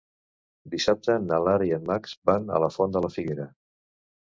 Dissabte na Lara i en Max van a la Font de la Figuera.